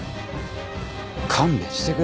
勘弁してくれよ。